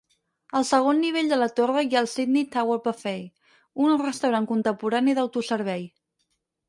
Al segon nivell de la torre hi ha el Sydney Tower Buffet, un restaurant contemporani d'autoservei.